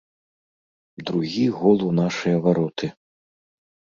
Другі гол у нашыя вароты.